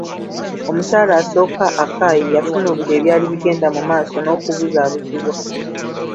Omukyala asooka, Akai, yatunulira ebyali bigenda mu maaso n'okubuzabuzibwa.